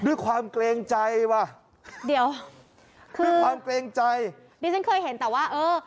ด้วยความเกรงใจว่ะเดี๋ยวคือด้วยความเกรงใจดิฉันเคยเห็นแต่ว่าเออ